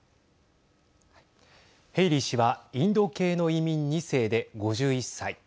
ヘイリー氏はインド系の移民２世で５１歳。